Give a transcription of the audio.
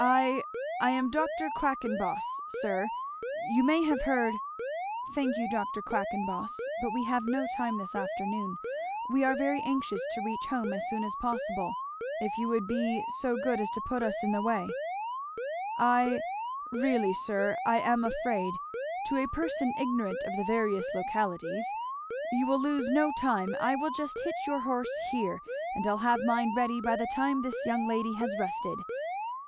I I am Dr. Quackenboss, sir; you may have heard " "Thank you, Dr. Quackenboss, but we have no time this afternoon we are very anxious to reach home as soon as possible; if you would be be so good as to put us in the way." [Illustration: "Well, sir, you know the road by Deacon Patterson's?"] "I really sir, I am afraid to a person ignorant of the various localities You will lose no time I will just hitch your horse here, and I'll have mine ready by the time this young lady has rested.